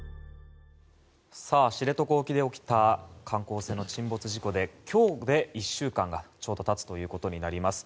知床沖で起きた観光船の沈没事故で今日で１週間がちょうど経つことになります。